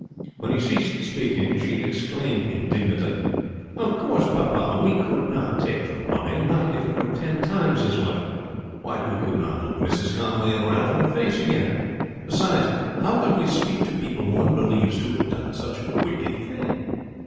When he ceased speaking she exclaimed indignantly, "Of course, papa, we could not take the money, not if it were ten times as much! Why, we could not look Mrs. Conway and Ralph in the face again! Beside, how could we speak to people one believes to have done such a wicked thing?"